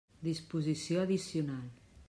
Disposició addicional.